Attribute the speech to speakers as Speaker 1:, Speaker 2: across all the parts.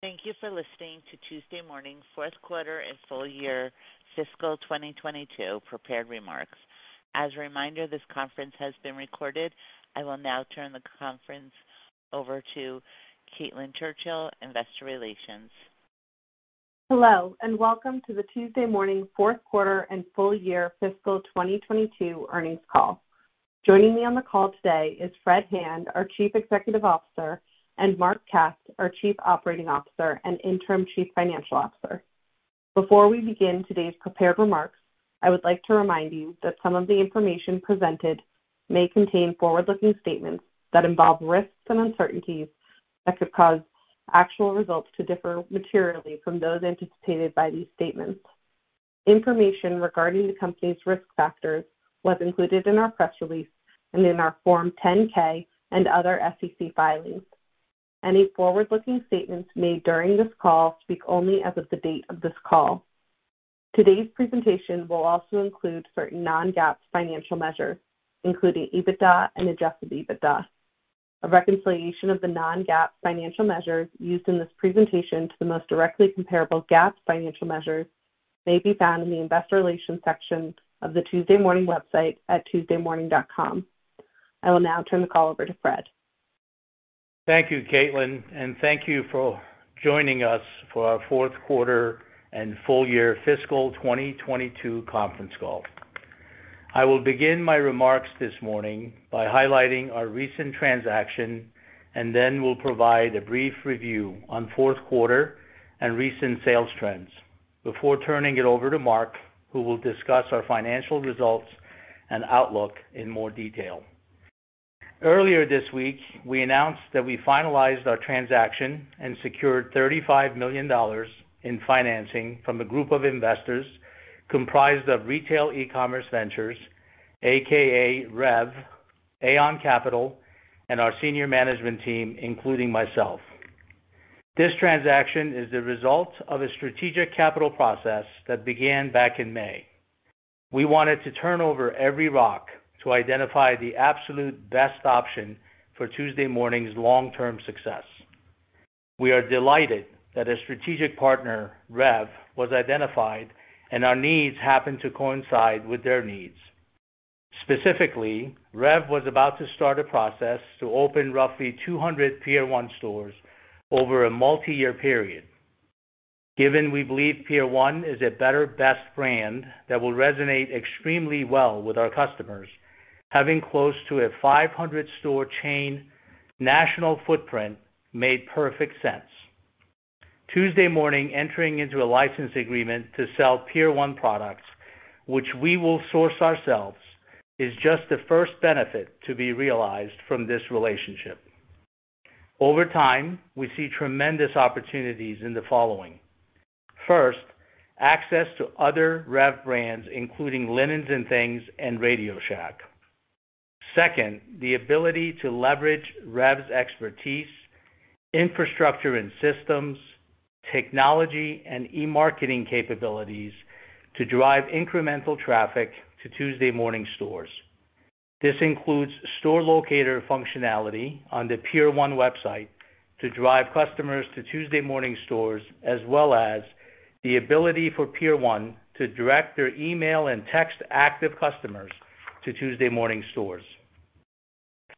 Speaker 1: Thank you for listening to Tuesday Morning fourth quarter and full year fiscal 2022 prepared remarks. As a reminder, this conference has been recorded. I will now turn the conference over to Caitlin Churchill, Investor Relations.
Speaker 2: Hello, and welcome to the Tuesday Morning fourth quarter and full year fiscal 2022 earnings call. Joining me on the call today is Fred Hand, our Chief Executive Officer, and Marc Katz, our Chief Operating Officer and Interim Chief Financial Officer. Before we begin today's prepared remarks, I would like to remind you that some of the information presented may contain forward-looking statements that involve risks and uncertainties that could cause actual results to differ materially from those anticipated by these statements. Information regarding the company's risk factors was included in our press release and in our Form 10-K and other SEC filings. Any forward-looking statements made during this call speak only as of the date of this call. Today's presentation will also include certain non-GAAP financial measures, including EBITDA and adjusted EBITDA. A reconciliation of the non-GAAP financial measures used in this presentation to the most directly comparable GAAP financial measures may be found in the Investor Relations section of the Tuesday Morning website at tuesdaymorning.com. I will now turn the call over to Fred.
Speaker 3: Thank you, Caitlin, and thank you for joining us for our fourth quarter and full year fiscal 2022 conference call. I will begin my remarks this morning by highlighting our recent transaction and then will provide a brief review on fourth quarter and recent sales trends before turning it over to Marc, who will discuss our financial results and outlook in more detail. Earlier this week, we announced that we finalized our transaction and secured $35 million in financing from a group of investors comprised of Retail Ecommerce Ventures, aka REV, Ayon Capital, and our senior management team, including myself. This transaction is the result of a strategic capital process that began back in May. We wanted to turn over every rock to identify the absolute best option for Tuesday Morning's long-term success. We are delighted that a strategic partner, REV, was identified and our needs happen to coincide with their needs. Specifically, REV was about to start a process to open roughly 200 Pier 1 stores over a multi-year period. Given we believe Pier 1 is a better, best brand that will resonate extremely well with our customers, having close to a 500-store chain national footprint made perfect sense. Tuesday Morning entering into a license agreement to sell Pier 1 products, which we will source ourselves, is just the first benefit to be realized from this relationship. Over time, we see tremendous opportunities in the following. First, access to other REV brands, including Linens 'n Things and RadioShack. Second, the ability to leverage REV's expertise, infrastructure and systems, technology and e-marketing capabilities to drive incremental traffic to Tuesday Morning stores. This includes store locator functionality on the Pier 1 website to drive customers to Tuesday Morning stores, as well as the ability for Pier 1 to direct their email and text active customers to Tuesday Morning stores.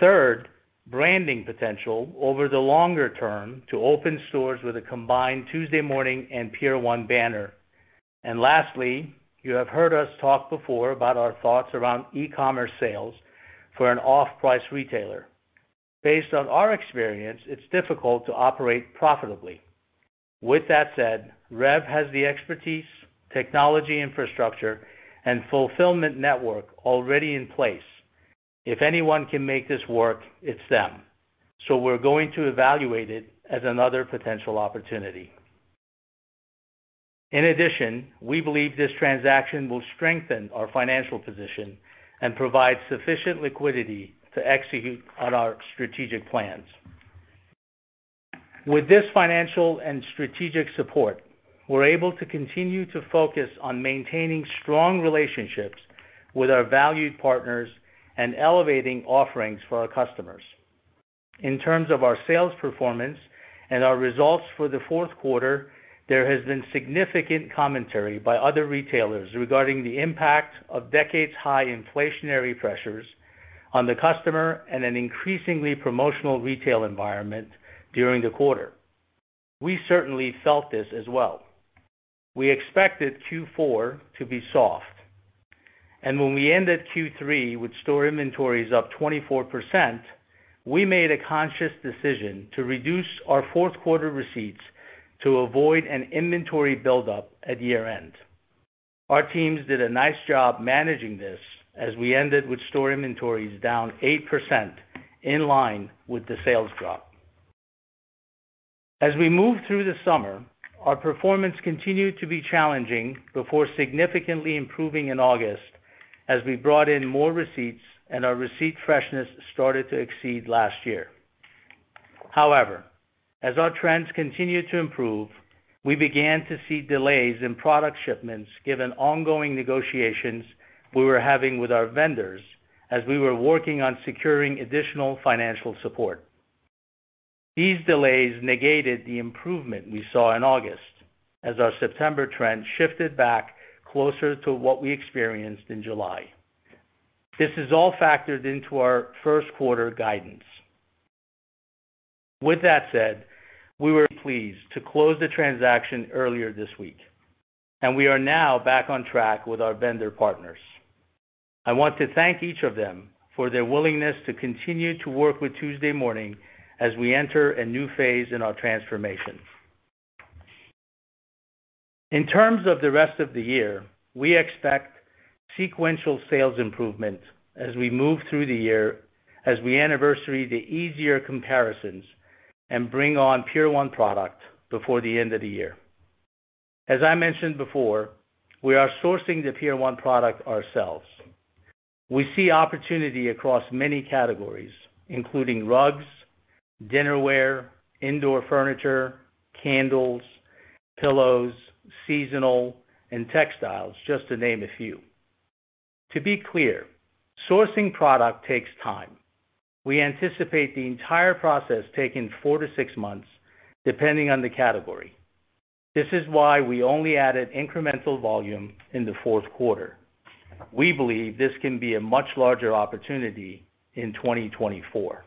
Speaker 3: Third, branding potential over the longer term to open stores with a combined Tuesday Morning and Pier 1 banner. Lastly, you have heard us talk before about our thoughts around e-commerce sales for an off-price retailer. Based on our experience, it's difficult to operate profitably. With that said, REV has the expertise, technology infrastructure and fulfillment network already in place. If anyone can make this work, it's them. We're going to evaluate it as another potential opportunity. In addition, we believe this transaction will strengthen our financial position and provide sufficient liquidity to execute on our strategic plans. With this financial and strategic support, we're able to continue to focus on maintaining strong relationships with our valued partners and elevating offerings for our customers. In terms of our sales performance and our results for the fourth quarter, there has been significant commentary by other retailers regarding the impact of decades-high inflationary pressures on the customer and an increasingly promotional retail environment during the quarter. We certainly felt this as well. We expected Q4 to be soft, and when we ended Q3 with store inventories up 24%, we made a conscious decision to reduce our fourth quarter receipts to avoid an inventory buildup at year-end. Our teams did a nice job managing this as we ended with store inventories down 8% in line with the sales drop. As we moved through the summer, our performance continued to be challenging before significantly improving in August as we brought in more receipts and our receipt freshness started to exceed last year. However, as our trends continued to improve. We began to see delays in product shipments given ongoing negotiations we were having with our vendors as we were working on securing additional financial support. These delays negated the improvement we saw in August as our September trend shifted back closer to what we experienced in July. This is all factored into our first quarter guidance. With that said, we were pleased to close the transaction earlier this week, and we are now back on track with our vendor partners. I want to thank each of them for their willingness to continue to work with Tuesday Morning as we enter a new phase in our transformation. In terms of the rest of the year, we expect sequential sales improvement as we move through the year, as we anniversary the easier comparisons and bring on Pier 1 product before the end of the year. As I mentioned before, we are sourcing the Pier 1 product ourselves. We see opportunity across many categories, including rugs, dinnerware, indoor furniture, candles, pillows, seasonal and textiles, just to name a few. To be clear, sourcing product takes time. We anticipate the entire process taking four to six months, depending on the category. This is why we only added incremental volume in the fourth quarter. We believe this can be a much larger opportunity in 2024.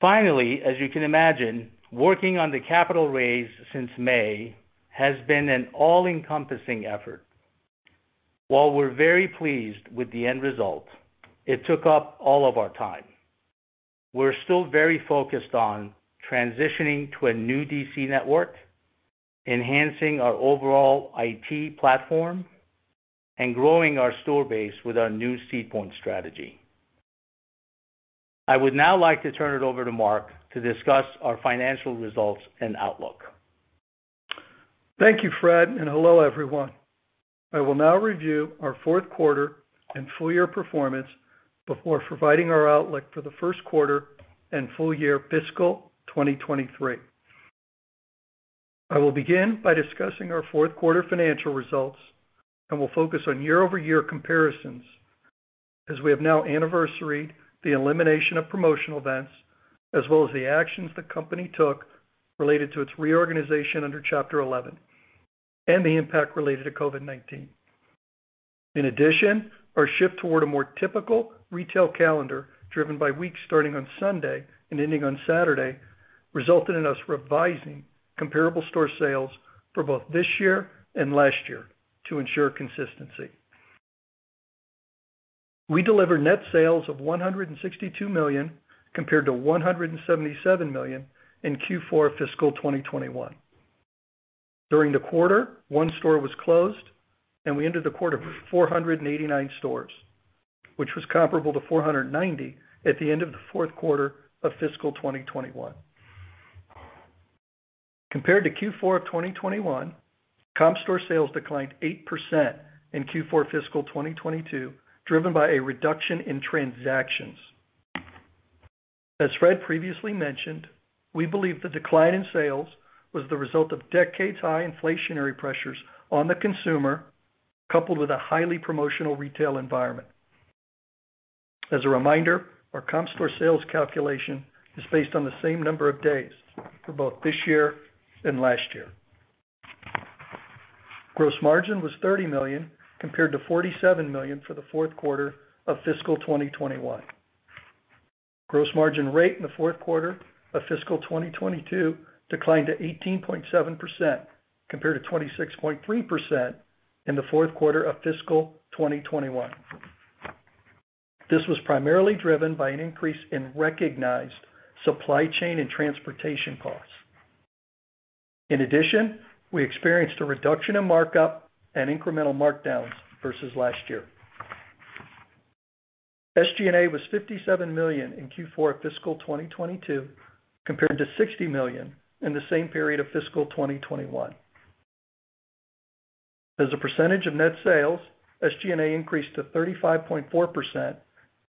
Speaker 3: Finally, as you can imagine, working on the capital raise since May has been an all-encompassing effort. While we're very pleased with the end result, it took up all of our time. We're still very focused on transitioning to a new DC network, enhancing our overall IT platform, and growing our store base with our new seed point strategy. I would now like to turn it over to Marc to discuss our financial results and outlook.
Speaker 4: Thank you, Fred, and hello, everyone. I will now review our fourth quarter and full year performance before providing our outlook for the first quarter and full year fiscal 2023. I will begin by discussing our fourth quarter financial results and will focus on year-over-year comparisons as we have now anniversaried the elimination of promotional events, as well as the actions the company took related to its reorganization under Chapter 11 and the impact related to COVID-19. In addition, our shift toward a more typical retail calendar, driven by weeks starting on Sunday and ending on Saturday, resulted in us revising comparable store sales for both this year and last year to ensure consistency. We delivered net sales of $162 million compared to $177 million in Q4 fiscal 2021. During the quarter, one store was closed and we entered the quarter with 489 stores, which was comparable to 490 at the end of the fourth quarter of fiscal 2021. Compared to Q4 of 2021, comp store sales declined 8% in Q4 fiscal 2022, driven by a reduction in transactions. As Fred previously mentioned, we believe the decline in sales was the result of decades high inflationary pressures on the consumer, coupled with a highly promotional retail environment. As a reminder, our comp store sales calculation is based on the same number of days for both this year and last year. Gross margin was $30 million compared to $47 million for the fourth quarter of fiscal 2021. Gross margin rate in the fourth quarter of fiscal 2022 declined to 18.7% compared to 26.3% in the fourth quarter of fiscal 2021. This was primarily driven by an increase in recognized supply chain and transportation costs. In addition, we experienced a reduction in markup and incremental markdowns versus last year. SG&A was $57 million in Q4 fiscal 2022 compared to $60 million in the same period of fiscal 2021. As a percentage of net sales, SG&A increased to 35.4%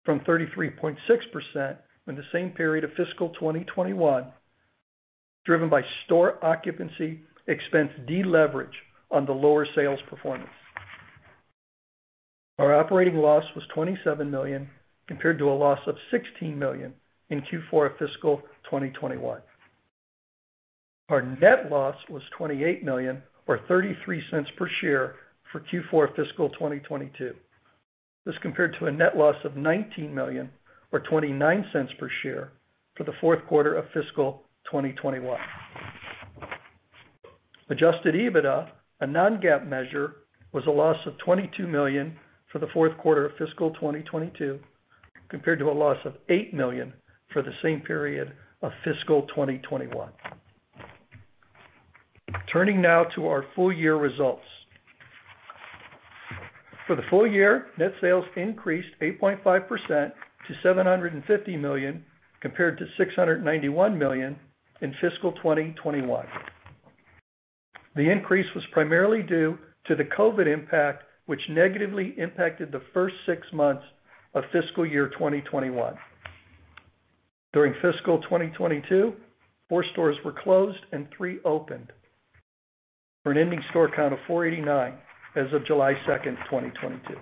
Speaker 4: from 33.6% in the same period of fiscal 2021, driven by store occupancy expense deleverage on the lower sales performance. Our operating loss was $27 million compared to a loss of $16 million in Q4 of fiscal 2021. Our net loss was $28 million or $0.33 per share for Q4 fiscal 2022. This compared to a net loss of $19 million or $0.29 per share for the fourth quarter of fiscal 2021. Adjusted EBITDA, a non-GAAP measure, was a loss of $22 million for the fourth quarter of fiscal 2022, compared to a loss of $8 million for the same period of fiscal 2021. Turning now to our full year results. For the full year, net sales increased 8.5% to $750 million compared to $691 million in fiscal 2021. The increase was primarily due to the COVID impact which negatively impacted the first six months of fiscal year 2021. During fiscal 2022, four stores were closed and third opened for an ending store count of 489 as of July 2nd, 2022.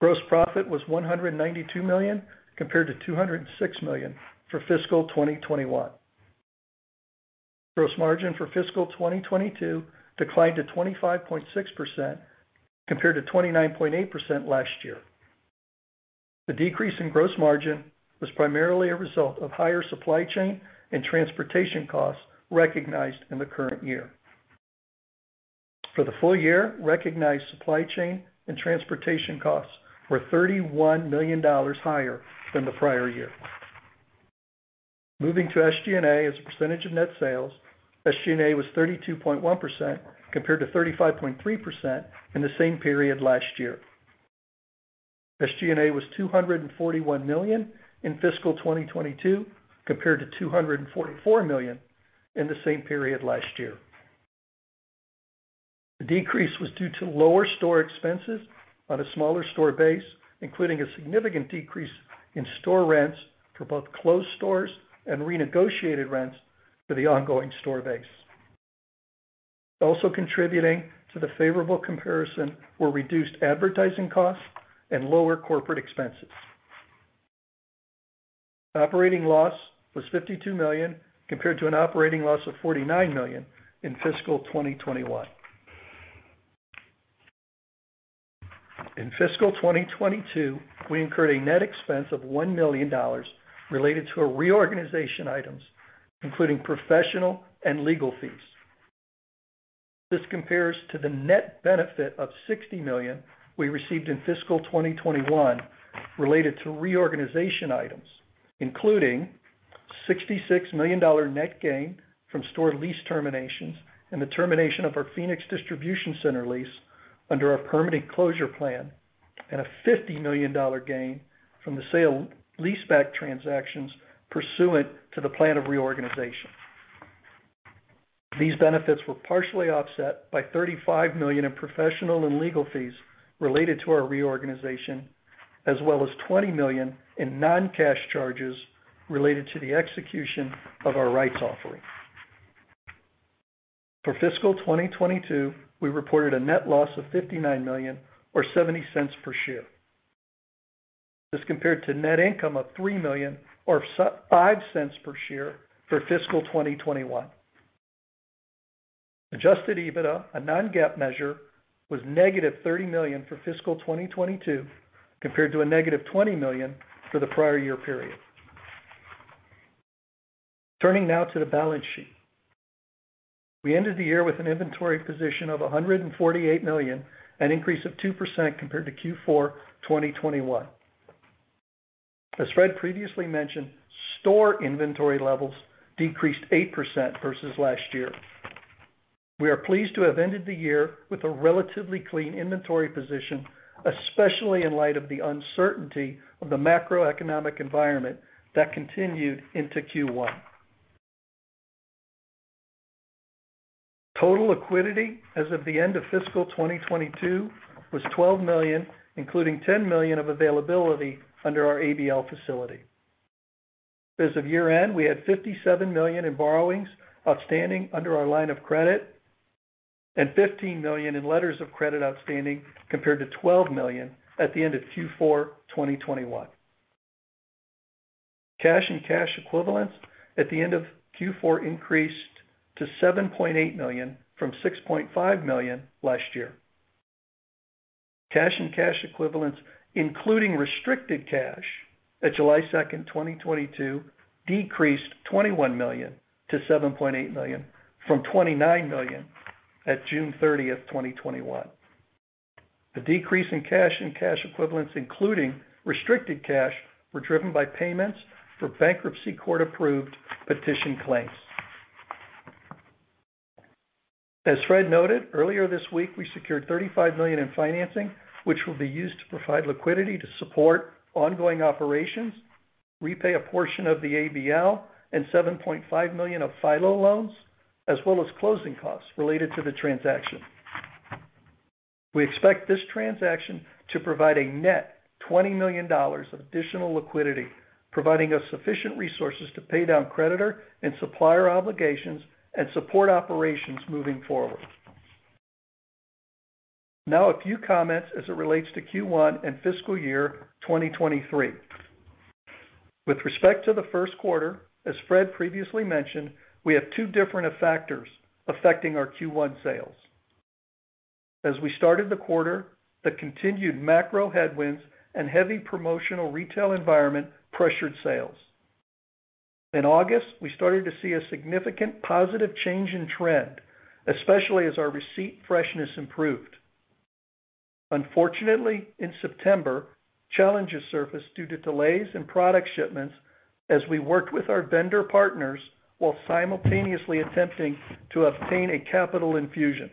Speaker 4: Gross profit was $192 million, compared to $206 million for fiscal 2021. Gross margin for fiscal 2022 declined to 25.6% compared to 29.8% last year. The decrease in gross margin was primarily a result of higher supply chain and transportation costs recognized in the current year. For the full year, recognized supply chain and transportation costs were $31 million higher than the prior year. Moving to SG&A as a percentage of net sales. SG&A was 32.1% compared to 35.3% in the same period last year. SG&A was $241 million in fiscal 2022 compared to $244 million in the same period last year. The decrease was due to lower store expenses on a smaller store base, including a significant decrease in store rents for both closed stores and renegotiated rents for the ongoing store base. Also contributing to the favorable comparison were reduced advertising costs and lower corporate expenses. Operating loss was $52 million compared to an operating loss of $49 million in fiscal 2021. In fiscal 2022, we incurred a net expense of $1 million related to reorganization items, including professional and legal fees. This compares to the net benefit of $60 million we received in fiscal 2021 related to reorganization items, including $66 million net gain from store lease terminations and the termination of our Phoenix distribution center lease under our permanent closure plan and a $50 million gain from the sale-leaseback transactions pursuant to the plan of reorganization. These benefits were partially offset by $35 million in professional and legal fees related to our reorganization, as well as $20 million in non-cash charges related to the execution of our rights offering. For fiscal 2022, we reported a net loss of $59 million or $0.70 per share. This compared to net income of $3 million or $0.05 per share for fiscal 2021. Adjusted EBITDA, a non-GAAP measure, was negative $30 million for fiscal 2022 compared to a negative $20 million for the prior year period. Turning now to the balance sheet. We ended the year with an inventory position of $148 million, an increase of 2% compared to Q4 2021. As Fred previously mentioned, store inventory levels decreased 8% versus last year. We are pleased to have ended the year with a relatively clean inventory position, especially in light of the uncertainty of the macroeconomic environment that continued into Q1. Total liquidity as of the end of fiscal 2022 was $12 million, including $10 million of availability under our ABL facility. As of year-end, we had $57 million in borrowings outstanding under our line of credit and $15 million in letters of credit outstanding, compared to $12 million at the end of Q4 2021. Cash and cash equivalents at the end of Q4 increased to $7.8 million from $6.5 million last year. Cash and cash equivalents, including restricted cash at July 2nd, 2022, decreased $21 million to $7.8 million from $29 million at June 30th, 2021. The decrease in cash and cash equivalents, including restricted cash, were driven by payments for bankruptcy court-approved petition claims. As Fred noted, earlier this week, we secured $35 million in financing, which will be used to provide liquidity to support ongoing operations, repay a portion of the ABL and $7.5 million of FILO loans, as well as closing costs related to the transaction. We expect this transaction to provide a net $20 million of additional liquidity, providing us sufficient resources to pay down creditor and supplier obligations and support operations moving forward. Now, a few comments as it relates to Q1 and fiscal year 2023. With respect to the first quarter, as Fred previously mentioned, we have two different factors affecting our Q1 sales. As we started the quarter, the continued macro headwinds and heavy promotional retail environment pressured sales. In August, we started to see a significant positive change in trend, especially as our receipt freshness improved. Unfortunately, in September, challenges surfaced due to delays in product shipments as we worked with our vendor partners while simultaneously attempting to obtain a capital infusion.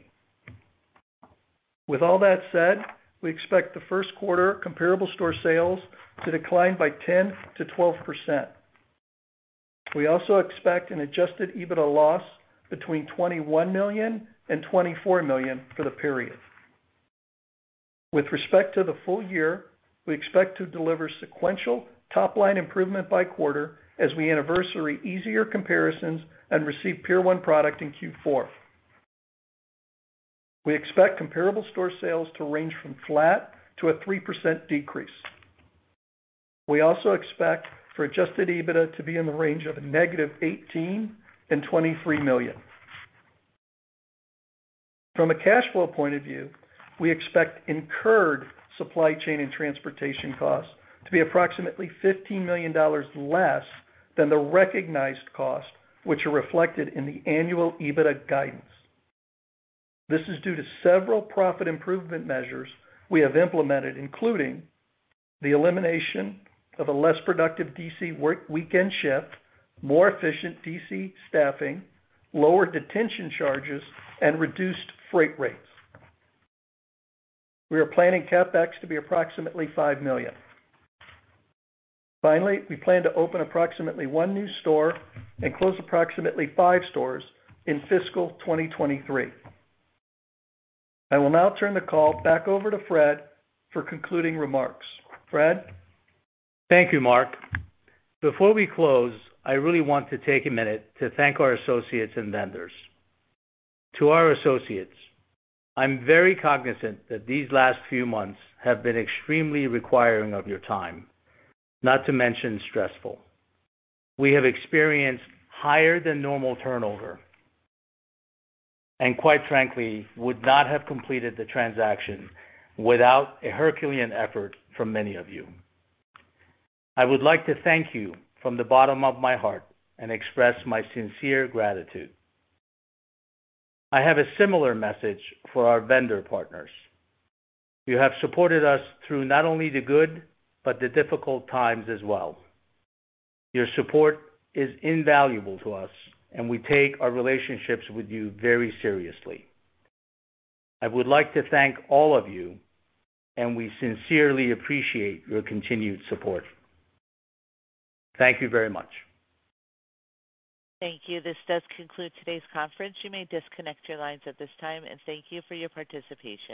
Speaker 4: With all that said, we expect the first quarter comparable store sales to decline by 10%-12%. We also expect an adjusted EBITDA loss between $21 million and $24 million for the period. With respect to the full year, we expect to deliver sequential top line improvement by quarter as we anniversary easier comparisons and receive Pier 1 product in Q4. We expect comparable store sales to range from flat to a 3% decrease. We also expect for adjusted EBITDA to be in the range of negative $18-$23 million. From a cash flow point of view, we expect incurred supply chain and transportation costs to be approximately $15 million less than the recognized cost, which are reflected in the annual EBITDA guidance. This is due to several profit improvement measures we have implemented, including the elimination of a less productive DC work weekend shift, more efficient DC staffing, lower detention charges, and reduced freight rates. We are planning CapEx to be approximately $5 million. Finally, we plan to open approximately one new store and close approximately five stores in fiscal 2023. I will now turn the call back over to Fred for concluding remarks. Fred?
Speaker 3: Thank you, Marc. Before we close, I really want to take a minute to thank our associates and vendors. To our associates, I'm very cognizant that these last few months have been extremely requiring of your time, not to mention stressful. We have experienced higher than normal turnover, and quite frankly, would not have completed the transaction without a herculean effort from many of you. I would like to thank you from the bottom of my heart and express my sincere gratitude. I have a similar message for our vendor partners. You have supported us through not only the good but the difficult times as well. Your support is invaluable to us, and we take our relationships with you very seriously. I would like to thank all of you, and we sincerely appreciate your continued support. Thank you very much.
Speaker 1: Thank you. This does conclude today's conference. You may disconnect your lines at this time, and thank you for your participation.